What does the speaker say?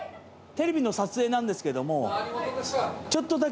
テレビの撮影なんですけども。